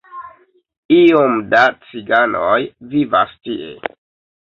Iom da ciganoj vivas tie.